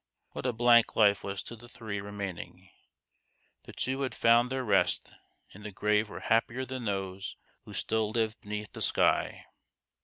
what a blank life was to the three remaining ! The two who had found their rest in the grave were happier than those who still lived beneath the sky.